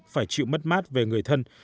phải chịu mất mát về người thân